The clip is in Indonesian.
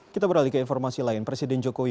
kita beralih ke informasi lain presiden jokowi